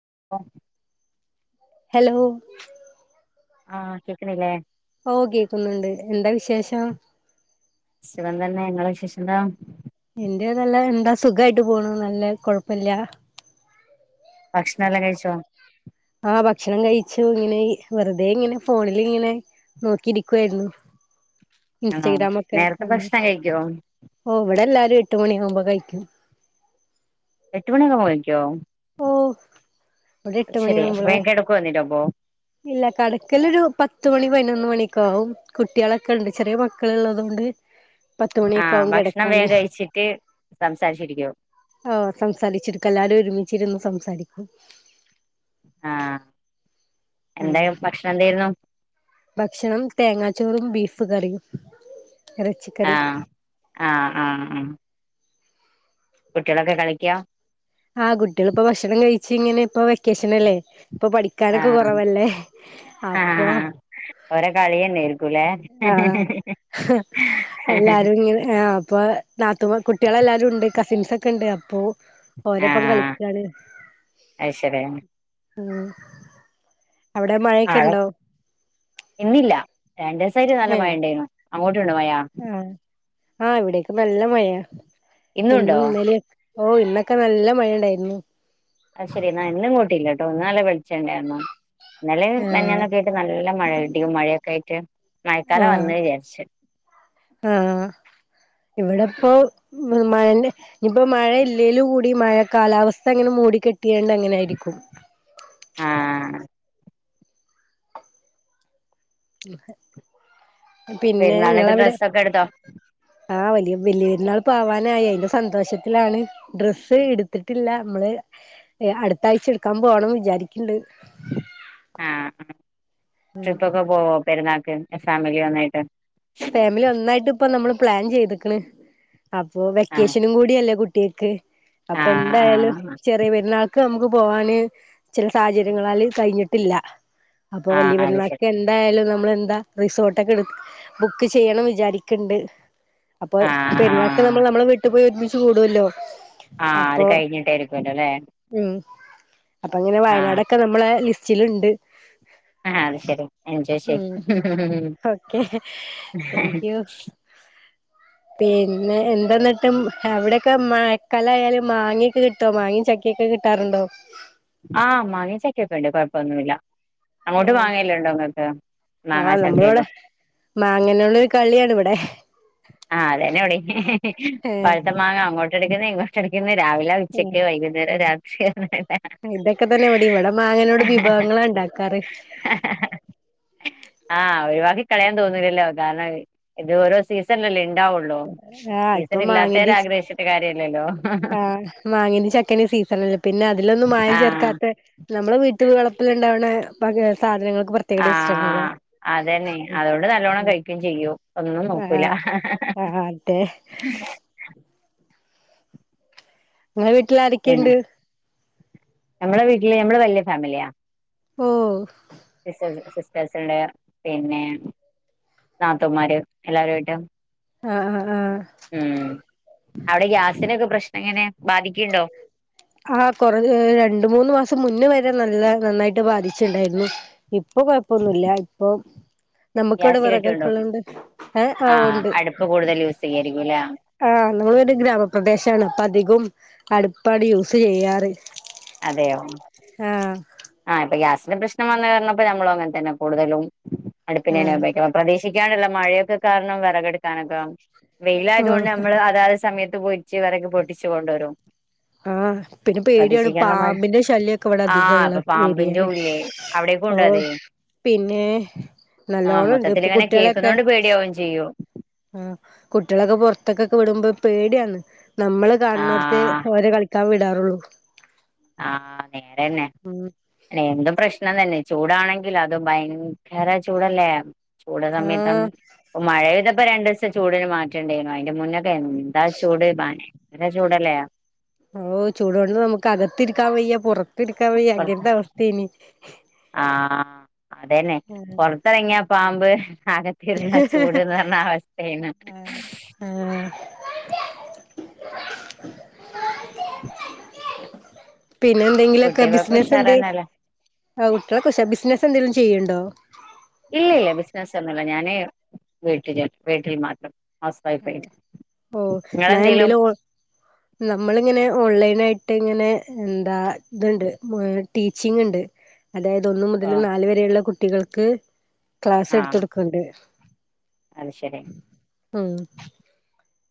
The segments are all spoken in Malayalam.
[unintelligible] ഹലോ ആ കേൾക്കണില്ലേ ഓ കേക്കുന്നുണ്ട് എന്താ വിശേഷം സുഖം തന്നെ നിങ്ങളെ വിശേഷെന്താ എന്റെതല്ല എന്താ സുഖായിട്ട് പോണു നല്ല കൊഴപ്പില്ല ഭക്ഷണം എല്ലാം കഴിച്ചോ ആ ഭക്ഷണം കഴിച്ചു ഇങ്ങനെ വെറുതെ ഇങ്ങനെ ഫോണിൽ ഇങ്ങനെ നോക്കിയിരിക്കുവായിരുന്നു ആണോ ഇൻസ്റ്റഗ്രാമൊക്കെ നേരത്തെ ആ ഭക്ഷണം കഴിക്കോ ഓ ഇവിടെല്ലാ ഒര് എട്ട് മണിയാവുമ്പ കഴിക്കും എട്ട് മണി [unintelligible] കഴിക്കുവോ ഓ അവിടെ എട്ട് മണിയ ശരി ആവുമ്പള് വേഗം കിടക്കോ എന്നിട്ട് അപ്പൊ ഇല്ല കെടക്കൽ ഒരു പത്ത് മണി പതിനൊന്നു മൂന്ന മണിയൊക്കെ ആവും കുട്ടികളൊക്കെ ഉണ്ട് ചെറിയ മക്കള്ളുള്ളത് കൊണ്ട് പത്തുമണിയൊക്കെ ആഹ് ആകും ഭക്ഷണം കിടക്കാന് വേഗം കഴിച്ചിട്ട് സംസാരിച്ചിരിക്കും ആ സംസാരിച്ചിരിക്ക എല്ലരും ഒരുമി എന്നും സംസാരിക്കു ആ ഉം എന്തേ ഭക്ഷണം എന്തായിരുന്നു ഭക്ഷണം തേങ്ങാച്ചോറും ബീഫ് കറിയും ആ ഇറച്ചിക്കറി ആ ആ ആ കുട്ടികളൊക്കെ കളിക്കാ ആഹ് കുട്ടികളിപ്പോഭക്ഷണം കഴിച്ച് ഇങ്ങനെ ഇപ്പൊ വെക്കേഷൻ അല്ലേ ഇപ്പൊ പഠിക്കാനൊക്കെ ആഹ് കുറവല്ലേ അപ്പൊ ആഹ് ഓരോ കളി തന്നെയായിരിക്കൂല്ലേ ആ ഹ എല്ലാരും ഇങ്ങനെ ആ അപ്പൊ നാത്തുമ കുട്ടികളെല്ലാരും ഉണ്ട് കസിൻസ് ഒക്കെ ഉണ്ട് അപ്പോ ഓരപ്പം ആഹ് കളിക്കാണ് അത് ശരി ആ [unintelligible] ഇന്നില്ല രണ്ടുദിവസായിട്ട് നല്ല മഴ ഉണ്ടായിരുന്നു അങ്ങോട്ടുണ്ടോ മഴ ഉം ആ ഇവിടക്കെ നല്ല മ മഴയാ ഇന്നുണ്ടോ ഇന്നും ഇന്നലെ ഓ ഇന്നൊക്കെ നല്ല മഴയുണ്ടായിരുന്നു അ ശരിന്ന ഇന്നുങ്ങോട്ടില്ല തോന്നുകാണേവിളിച്ചേനേ യായിരുന്നോ ഇന്നലെയും ആഹ് മിനിഞാന്നുമെക്കെയായിട്ട് നല്ല മഴ ഇടിയും മഴയൊക്കെ ആയിട്ട് മഴക്കാലം ആഹ് വന്ന വിചാരിച്ച് ഇപ്പൊ മഴന്നെ ഇനിപ്പോ മഴ ഇല്ലേല് കൂടി മഴ കാലാവസ്ഥ അങ്ങനെ മൂടിക്കെട്ടിയണ്ട് അങ്ങനെയിരിക്കും ആ [unintelligible] പിന്നെ പെരുന്നാൾക്ക് ഇങ്ങളവിടെ ഡ്രസ്സ് ഒക്കെ എടുതോ ആഹ് വലിയ വലിയൊരുന്നാൾ പോവാനായി അതിന്റെ സന്തോഷത്തിലാണ് ഡ്രസ്സ് എടുത്തിട്ടില്ല നമ്മള് അടുത്താഴ്ച എടുക്കാൻ പോകണം വിചാരിക്കണ്ട് ആഹ് ട്രിപ്പൊക്കെ പോവോ പെരുന്നാക്ക് ഫാമിലി വന്നായിട്ട് ഫാമിലി ഒന്നായിട്ട് ഇപ്പ നമ്മള് പ്ലാൻ ചെയ്ത്ക്ക്ണ് അപ്പോ ആഹ് വെക്കേഷനും കൂടിയല്ലേ കുട്ടി ട്ടീക്ക് അപ്പൊ ആഹ് എന്തായാലും ആഹ് ചെറിയ പെരുന്നാൾക്ക് നമുക്ക് പോ പോവാന് ചില സാഹചര്യങ്ങളാല് കഴിഞ്ഞിട്ടില്ല അപ്പൊ വലിയ ആഹ് അത് ശരി പെരുന്നക്കെന്തായാലുമൊന്നു നമ്മളെന്താ റിസോർട്ടക്കെ എടു ബുക്ക് ചെയ്യണം വിചാരിക്കണ്ട് അപ്പൊ ആഹ് പെരുന്നാക്ക് ആഹ് നമ്മൾ നമ്മള വീട്ട് പോയി ഒരുമിച്ച് കൂടുല്ലോ ആഹ് അത് അപ്പൊ കഴിഞ്ഞിട്ടായിരിക്കുവല്ലോ ല്ലേ ഉം അപ്പൊ അങ്ങനെ ആഹ് വയനാടൊക്കെ നമ്മള ലിസ്റ്റ് റ്റിലുണ്ട് ആഹ് അത് ശരി എൻജോയ് ചെയ്യ് ഓക്കെ താങ്ക് യു പിന്നെ എന്തെന്നിട്ട് അവിടെയൊക്കെ മഴക്കാലായാലും മാങ്ങയൊക്കെ കിട്ടോ മാങ്ങയും ചക്കൊക്കെ കിട്ടാറുണ്ടോ ആഹ് മാങ്ങാ ചക്കൊക്കെ ഉണ്ട് കൊഴപ്പൊന്നുമില്ല ആ ആ മാങ്ങാ ചക്കയെല്ലാം നമ്മളിവിടെ മാങ്ങനുള്ളൊരു കളിയാണിവിടെ [unintelligible] ആഹ് അതന്നെ ഇവിടേം ഏഹ് പഴ്ത്ത മാങ്ങ അങ്ങോട്ട് എടുക്കുന്ന ഇങ്ങോട്ട് ട്ടെടുക്കുന്നു രാവില ഉച്ചക്ക് വൈകുന്നേരം രാത്രി ശ [unintelligible] ഇതൊക്കെ തന്നെ ഇവിടേം ഇവിടെ മാങ്ങനോണ്ട്‌ വിഭവങ്ങളാ ഉണ്ടാക്കാറ് ആഹ് ഒഴിവാക്കി കളയാൻ തോന്നൂലല്ലോ കാരണം ഇത് ഓരോ സീസ [unintelligible] ആഹ് ഇപ്പൊ മാങ്ങിന്റെ ആഗ്രഹിച്ചിട്ട് കാര്യല്ലല്ലോ ആഹ് മാങ്ങിന്റെ ചക്കേന്റെ സീസണല്ലേ പിന്നെ അത് അതിലൊന്നും മായം ആഹ് ചേർക്കാത്ത നമ്മളെ വീട്ടിൽ വളപ്പിൽ ഇണ്ടാവണ പഴേ സാധനങ്ങൾ ആ അതന്നെ അതുകൊണ്ട് നല്ലോണം കഴിക്കേം ചെയ്യും ഒന്നും നോക്കൂല ആ അതേ നിങ്ങള വീട്ടിൽ ആരൊക്കെയുണ്ട് ഞമ്മടെ വീട്ടില് ഞമ്മള് വലിയ ഫാമിലിയാ ഓ സിസ്റ്റേഴ് സിസ്റ്റേഴ്സുണ്ട് പിന്നെ നാത്തൂന്മാര് എല്ലാവരുമായിട്ടും ആഹ് ആഹ് ആഹ് ഉം അവിടെ ഗ്യാസിനൊക്കെ പ്രശ്നം എങ്ങനെ ബാധിക്കുണ്ടോ ആ കൊറ രണ്ട് മൂന്ന് മാസം മുന്ന വരെ നല്ല നന്നായിട്ട് ബാധിച്ചുണ്ടായിരുന്നു ഇപ്പൊ കുഴപ്പൊന്നുമില്ല ഇപ്പം നമുക്ക് ഇവിടെ ഗ്യാസ് വിറകൊക്കെ കിട്ടുണ്ടോ ഉള്ളോണ്ട് ആ ആഹ് ഒണ്ട് അടുപ്പ് കൂടുതൽ യൂസ് ചെയ്യായിരിക്കുംല്ലേ ആ നമ്മൾ ഒരു ഗ്രാമപ്രദേശ തണുപ്പധികവും അടുപ്പാടി യൂ സ് ചെയ്യാറ് അതേയോ ആഹ് ആ ഇപ്പ ഗ്യാസിന്റെ പ്രശ്നം വന്ന കാരണം നമ്മൾ അങ്ങന തന്നെ കൂടുതലും ആഹ് അടുപ്പിനേനപയോഗിക്ക പ്രദീ ക്ഷിക്കാണ്ടുള്ള മഴയൊക്കെ കാരണം വിറകെടുക്കാനൊക്കെ വെയിലായത് കൊണ്ട് ആഹ് നമ്മള് അതാത് സമയത്ത് പൊയെച്ച് വിറക് പൊട്ടിച്ച് കൊണ്ടുവരും ആ പിന്നെ പേടിയാണ് പ്രതീക്ഷിക്കാനുള്ള മഴ പാമ്പിന്റെ ശല്യമൊക്കെ ഇവിടെ അധികം ആഹ് അപ്പൊ ഉള്ള പാമ്പിന്റെ ഏരിയയാണ് ഉല്ലേ അവിടേക്കും ഓ ഉണ്ടോ അത് പിന്നെ ആഹ് നല്ലോണം ഉണ്ട് മൊത്തത്തിൽ ഇപ്പൊ ഇങ്ങനെ കുട്ടികളൊക്കെ കേൾക്കുന്നോണ്ട് പേടിയാവും ചെയ്യും ആ കുട്ടികളൊക്കെ പൊറത്തെക്കെക്കെ വിടുമ്പോ പേടിയാന്ന് നമ്മള് കാണുന്നോട്ത്ത് ആഹ് ഓര് കളിക്ക് ക്കാൻ വിടാറുള്ളു ആ നേരന്നെ എന്തും പ്രശ്നം തന്നെ ചൂടാണെങ്കിൽ അത് ഭയങ്കര ചൂടല്ലേ ചൂട് ആ സമയത്താണ് അപ്പൊ മഴ പെയ്ത ഇപ്പം രണ്ട് ദിവസം ചൂടിന് മാറ്റമുണ്ടായിരുന്നു അതിന്റെ മുന്നേ എന്താ ചൂട് ഭയ ങ്കര ചൂടല്ലേ ഓ ചൂടുണ്ട് നമുക്ക് അകത്തിരിക്കാൻ വയ്യാ പുറ ത്തി ഇരിക്കാൻ വയ്യാ പുറത്ത് അങ്ങനത്തെ അവസ്ഥയാണ് ആഹ് അതെന്നെ പൊറത്തിറങ്ങിയാ പാമ്പ് അകത്തിരുന്ന ചൂട്ന്ന് പറഞ്ഞ അവസ്ഥയാണ് ആ പിന്നെ എന്തെങ്കിലുഒക്കെ കുട്ടികൾക്ക് ബിസിനസ്സ് എന്തെ ഉഷാറന്നല്ലേ ആ കുട്ടികളൊക്കെ ഉഷാ ബിസിനസ്സ് എന്തെങ്കിലും ഒക്കെ ചെയ്യുന്നുണ്ടോ ഇല്ല ഇല്ല ബിസിനെസ് ഒന്നുല്ല ഞാനെ വീട്ടിൽ വീട്ടിൽ മാത്രം ഹൗസ് വൈഫ് ആയിട്ട് ഓ എന്നാ നിങ്ങളെന്തേലും എന്തേലുംഓ നമ്മളിങ്ങനെ ഓൺലൈനായിട്ട് ട്ട് ഇങ്ങനെ എന്താ ഇതുണ്ട് ടീച്ചിങ് ഉണ്ട് അതായത് ഒന്നു മുതൽ ഓ നാല് വരെയുള്ള കു ട്ടികൾക്ക് ക്ലാസ് ആഹ് എട്ത്തൊട്ക്ക്ണ്ട് അത് ശരി ഉം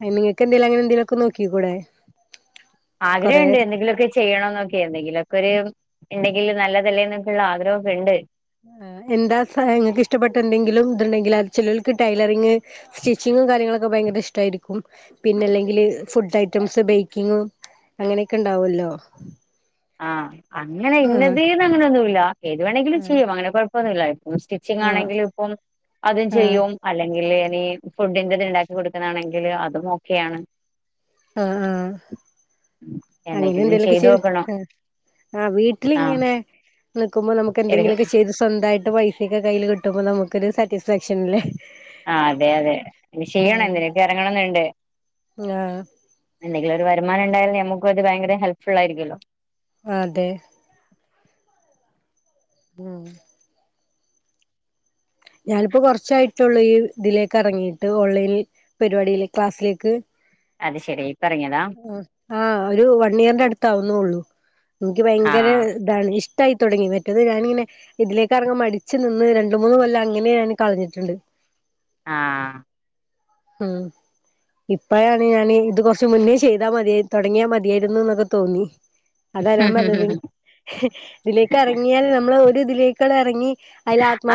അയിന് നിങ്ങേക്ക് എന്തെലും അങ്ങനെ എന്തെലു ഒക്കെ നോക്കിക്കുടെ ആഗ്രഹണ്ട് എന്തെങ്കിലൊക്കെ ചെയ്യണോന്നൊക്കെ എന്തെങ്കിലുക്കെ ഒര് എന്തെങ്കിൽ നല്ലതല്ലേന്നൊക്കെള്ള ആഗ്രഹൊക്കെ ഇണ്ട് എന്താ സ്വയ ഇങ്ങക്ക് ഇഷ്ടപ്പെട്ട എന്തെങ്കിലും ഇത്ണ്ടെങ്കിൽ അത് ചിലോൽക്ക് ടൈലറിങ് സ്റ്റിച്ചിങ്ങും കാര്യങ്ങളൊക്കെ ഭയങ്കര ഇഷ്ടായിരിക്കും പിന്നെ അല്ലെങ്കില് ഫുഡ് ഐറ്റംസ് ബേക്കിങ് അങ്ങനെയൊക്കെ ഇണ്ടാവല്ലോ ആ അങ്ങനെ ഇന്നതീന്ന് അങ്ങനെയൊന്നുല്ല ഏത് വേണങ്കിലും ആഹ് ചെയ്യ്‌വാ അങ്ങനെ കൊഴ വന്നില്ലേ സ്റ്റിച്ചിങ് ആഹ് ആണെങ്കിലും ഇപ്പം അതും ആഹ് ചെയ്യും അല്ലെങ്കിൽ ഈ ഫുഡിന്റെറ ഇത് ഉണ്ടാക്കി കൊടുക്കുന്നാണെങ്കിൽ അതും ഓക്കെയാണ് ആ ആ എന്തെങ്കിലും ചെയ്ത് നോക്കണം ആഹ് ആഹ് വീട്ടിലിങ്ങനെ- നിക്കുമ്പോ നമുെന്തെങ്കിലും ആഹ് ഒക്ക ചെയ്ത് സ്വന്തയിട്ട്- പൈസൊക്കെ കയ്യിൽ കിട്ടുമ്പോ നമുക് ഒരു സാറ്റിസ്ഫാക്ഷൻ അല്ലേ ആ അതെ അതെ ഇനി ചെയ്യണം ആഹ് എന്തിനക്കെ ഇറങ്ങണന്നുണ്ട് ആഹ് എന്തെങ്കിലും ഒരു വരുമാനം ഉണ്ടായാൽ നമുക്ക അത് ഭയങ്കര ഹെൽപ്പ് ഫുൾ ആയിരിക്കുമല്ലോ അതെ ഉം ഞാനിപ്പോ കുറച്ചായിട്ടുള്ള ഈ ഇതിലേക്ക് ഇറങ്ങിയിട്ട് ഓൺലൈൻ പരിപാടി ക്ലാസ്സിലേക്ക് അത് ശരി പറഞ്ഞതാ ആഹ് ഒരു വൺ ഇയറിന്റെ അടുത്ത ആവുന്നുള്ളു എനിക്ക് ഭയങ്കര ആഹ് ഇതാണ് ഇഷ- ട്ടായി തൊട്ങ്ങി മറ്റത് ഞാനിങ്ങനെ ഇതിലേക്കെറങ്ങാൻ മടിച്ച് നിന്ന് രണ്ട് മൂന്ന് കൊല്ലം അങ്ങനെ ഞാൻ കളഞ്ഞിട്ട്ണ്ട് ആ ഉം ഇപ്പഴാണ് ഞാന് ഇത് കൊർച്ച് മുന്നേ ചെയ്താ മതി തൊടങ്ങ്യാ മത്യേര്ന്നുന്നൊക്കെ തോന്നി അതാ ഞാൻ പർഞ്ഞത് ആഹ് ഇതിലേക്ക് എറങ്ങിയാൽ നമ്മള് ഒ ത് ഇതിലേക്കാണ്ടെറങ്ങി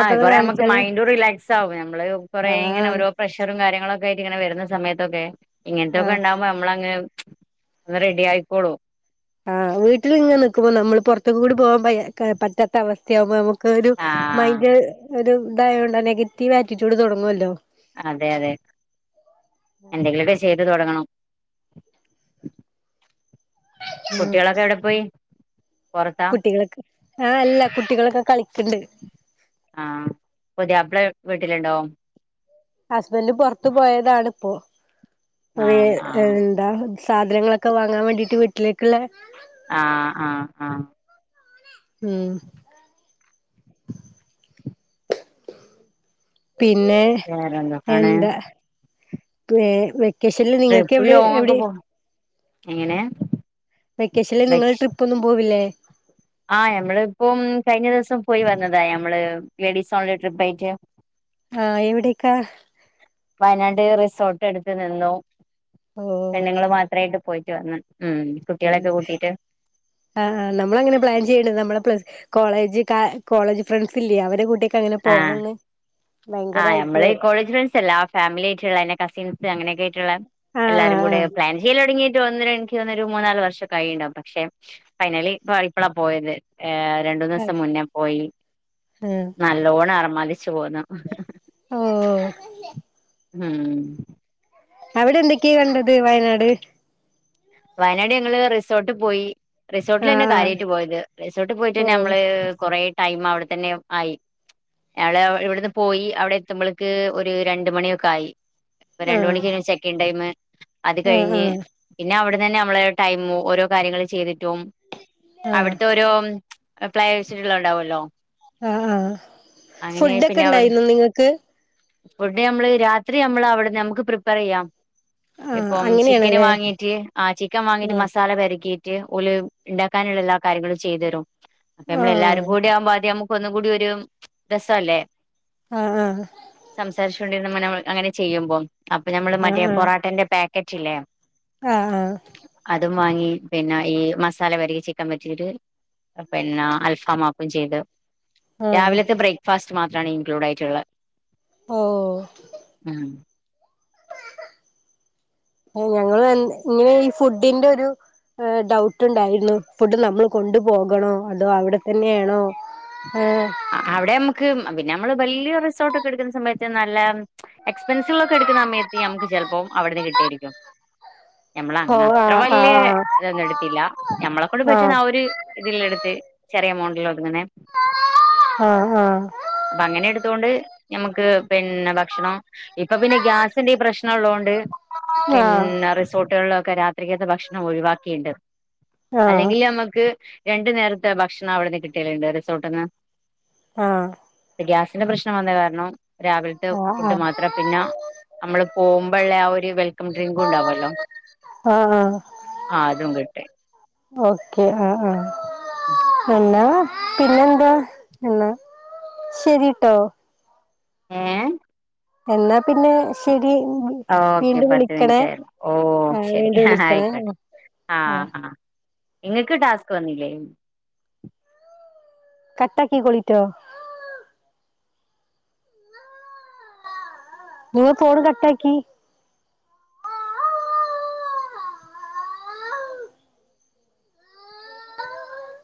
ആ കൊറേ അമ്മക്ക് മൈൻഡും റിലാക്സാവെ അമ്മള് കൊറേങ്ങനെ ആഹ് ഓരോ പ്രഷറും കാര്യങ്ങളൊ ക്കേയിട്ട്ങ്ങനെ വര്ന്ന സമയത്തൊക്കെ ആഹ് ഇങ്ങൻത്തൊക്കെണ്ടാവുമ്പോ ഞമ്മളങ്ങ് അങ്ങ് റെഡി ആയിക്കോളു. ആ വീട്ട്ല് ഇങ്ങെ നിക്കുമ്പോ നമ്മള് പൊർത്തൊക്കെ കൂടി പോകാൻ പയ്യ പറ്റാത്ത അവസ്ഥയാകുമ്പോ ഒരു ആഹ് മൈന്റ് ഒരു ഇതായേണ്ട നെഗറ്റീവ് ആറ്റിറ്റ്യൂഡ് തുടങ്ങുവാ ല്ലോ അതെ അതെ എന്തെങ്കിലുമൊക്കെ ചെയ് ചെയ്ത് തുടങ്ങണം. കുട്ടികളൊക്കെ എവിടെ പോയി? പുറത്താ കുട്ടികളക്കെ ആ അല്ല കുട്ടികളൊക്കെ കളിക്ക്ണ്ട്. ആഹ് പുതിയാപ്ല വീട്ടിലുണ്ടോ? ഹസ്ബന്റ് പുറത്തു പോയതാണിപ്പോ. വേ ആഹ് ആഹ് എന്താ? സാധനങ്ങളൊക്കെ വാങ്ങാൻ വേണ്ടിട്ട് വീട്ടിലേക്ക്ള്ളെ ആ ആ ആ ഉം പിന്നെ വേറെന്തൊക്കാണ് എന്താ [inaudible] വെക് കല് നിങ്ങക്ക് ട്രിപ്പ് എവിടെ ലോങ് ഒക്കെ എവിടെ? പോ എങ്ങനെ? വെക്കേഷനില് നിങ്ങള് ട്രിപ്പ് ഒന്നും പോവില്ലേ? ആ ഞമ്മളിപ്പോം കഴിഞ്ഞ ദിവസം പോയി വന്നതാ ഞമ്മള് ലേഡീസ് ഓൺലി ട്രിപ്പായിട്ട്. ആ എവിടേക്കാ? വയനാട് റിസോട്ട് എടുത്ത് നിന്നു. പെണ്ണുങ്ങള് മാത്രായിട്ട് പോയിട്ട് വന്ന്. ഉം ആ കുട്ടികളൊക്കെ കൂട്ടിട്ട് ആ നമ്മൾ അങ്ങനെ പ്ലാൻ ചെയ്യേണ്ട് നമ്മളെ പ്ലസ് കോളേജ് കാ കോളേജ് ഫ്രണ്ട്സ് ഇല്ലേ അവരെ കൂട്ടെ ആ ആ യമ്മള് കോളേജ് ഫ്രണ്ട്സ് അല്ല. ഫാമിലി ആയിട്ടുള്ള എന്റെ കസിൻസ് അങ്ങനെയൊക്കെ--ആയിട്ട് ട്ടുള്ള എല്ലാരും കൂടെ ആഹ് പ്ലാൻ ചെയ്യല് തുടങ്ങിയിട്ട് ഒന്ന് രണ്ട് എനിക്ക് തോന്നുന്നൊരു മൂന്നാല് വർഷോക്കെ ആയിണ്ടാവും. പക്ഷെ ഫൈനലി ഇപ്പ ഇപ്പളാ പോയത്. ഏ ആഹ് രണ്ടൂന്നേസം മുന്നേ പോയി. ആഹ് നല്ലോണ ആർമാതി ച്ചു പോന്നു. [inaudible] ഓ ഉം അവിടെ എന്തെക്കെയാ കണ്ടത് വയനാട് വയനാട് ഞങ്ങള് റിസോർട്ട് പോയി ആഹ് റിസോർട്ടിലെന്നെ ആഹ് കാര്യായിട്ട് പോയത് റിസോർട്ട് ഓ പോയിട്ടന്നെ മ്മള് കൊറേ ടൈമ് അവിടെത്തന്നെ ആയി ഞാള് ഇവിട്ന്ന് പോയി അവിടെ എത്തുമ്പളെക്ക് ഒര് രണ്ട്മണിയൊക്കെ ആയി പ്പൊ രണ്ട് ആഹ് മണിക്കേനി ചെക്കിങ്ങ് ടൈമ് അത് ആഹ് കഴിഞ്ഞ് ആഹ് ഇ അവ്ട്ന്നന്നെ നമ്മള് ടൈമോ ഓരോ കാര്യങ്ങള് ചെയ്തി ട്ടും ആഹ് അവ്ട്ത്തെ ഓരോ പ്ലൈയേഴ്സ്കള്ണ്ടാവാെല്ലോ ആഹ് ആഹ് അങ്ങനെ ഫുഡൊക്കെ പിന്നെ അവ്ട് ഉണ്ടായിരുന്നോ നിങ്ങൾക്ക് ഫുഡ് ഞമ്മള് രാത്രി ഞമ്മളവ്ട്ന്ന് നമ്ക്ക് പ്രിപ്പേറെയ്യാം ആഹ് ഇപ്പം ചിക്കന് അങ്ങനെയാണല്ലേ വാങ്ങി ട്ട് ആ ചിക്കം വാങ്ങീട്ട് ആഹ് മസാല പെരക്കി ക്കെ ഓല് ഉണ്ടാക്കാനുള്ള എല്ലാ കാര്യങ്ങളും ചെയ്തു തരും അപ്പൊ നമ്മളെല്ലാരും ആഹ് കൂടി ആവുമ്പോ അദ്യ നമൂ അപ്പം ഒന്നും കൂടി ഒരു രസ അല്ലേ ആ ആ [unintelligible] അങ്ങനെ ചെയ്യുമ്പോം അപ്പൊ ഞമ്മള് മറ്റേ പൊറട്ടേന്റെ പേ ക് പേക്കറ്റില്ലേ ആ ആ അതും വാങ്ങി പിന്നെ ഈ മസാല വരിക ചിക്കൻ പരറ്റിട്ട് പിന്നെ അൽഫാ മാകും ചെയ്ത് ആഹ് ആഹ് രാവിലത്തെ ബ്രേക്ക്ഫാസ്റ്റ് മാത്രം ഇൻക്ലൂഡ് ആയിട്ടുള്ളത് ഓ ഉം ഞങ്ങള് ഇങ്ങനെ ഈ ഫുഡിന്റെ ഒരു ഡൗട്ട് ഉണ്ടായിരുന്നു ഫുഡ് നമ്മൾ കൊണ്ടു പോകണോ അതോ അവിടെ തന്നൊണോ അവിടെ നമുക്ക് പിന്നെ നമ്മള് വലിയ റിസോർട്ട ഒക്കെ എടുക്കുന്ന സമയത്ത് നല്ല എക്സ്പെൻസീവ ഒക്കെ എടുക്കുന്ന സമയത്ത് നമുക്ക് ചിലപ്പോ അവിടുന്ന് കിട്ടിയരിക്കും ഞമ്മള അങ്ങനെ ഓഹ് അത്ര ആഹ് വലിയ ആഹ് ഇതൊന്നും എടുത്തില്ല ഞമ്മളെ കൊണ്ട് പറ്റുന്ന ആ ഒരു ഇതില് എടുത്ത് ചെറിയ എമൗണ്ടിൽ ഒതുങ്ങണ ആ ആ ത്തണ്ട് നമുക്ക് പിന്നെ ഭക്ഷണം ഇപ്പൊ പിന്നെ ഗ്യാസിന്റെ പ്രശ്നം ഉള്ളോണ്ട് ആഹ് ആഹ് ആഹ് പിന്നെ റിസോർട്ടുകളിലൊക്കെ രാത്രികത് ഭക്ഷണം ഒഴിവാക്കിണ്ട് അല്ലെങ്കിൽ അമ്മക്ക് രണ്ടു നേരത്തെ ഭക്ഷണം അവിടുന്ന് കിട്ടിയലുണ്ട് റിസോർട്ട്ന്ന് ആ ഗ്യാസിന്റെ പ്രശ്നം വന്ന കാരണം രാവിലെ- ആഹ് ആഹ് ഫുഡ് ആഹ് മാത്രം പിന്ന- നമ്മള് പോകുമ്പോള്ളെ ആ ഒരു വെൽക്കം ഡ്രിങ്ക് ഉണ്ടാവല്ലോ ആഹ് ആഹ് ആ അതും കിട്ടി ഓക്കെ ആ ആ പിന്നെ പിന്നെന്താ എന്നാ ശരിട്ടോ ഏ എന്നാ പിന്നെ ശരി ഓക്കെ വീണ്ടും പത്ത് വിളിക്കണേ മിനുറ്റായിരുന്നു ഓ ആഹ് ശരി വീണ്ടും വിളിക്കണേ ആയിക്കോട്ടെ ആഹ് ആ ഇങ്ങക്ക് ടാസ്ക് വന്നില്ലേ? കട്ടാക്കിപോയല്ലോ നി ഫോണ് കട്ടാക്കി